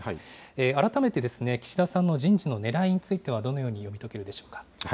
改めて、岸田さんの人事のねらいについては、どのように読み解けるでしょうか。